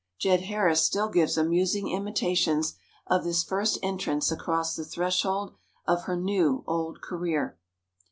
Jed Harris still gives amusing imitations of this first entrance across the threshold of her new old career.